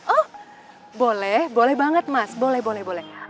oh boleh boleh banget mas boleh boleh